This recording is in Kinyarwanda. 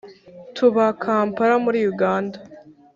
tuba kampala muri uganda